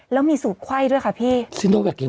แล้วมีสูตรไข้ด้วยค่ะพี่